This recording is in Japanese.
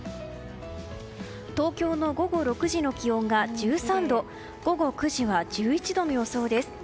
東京の午後６時の気温が１３度午後９時は１１度の予想です。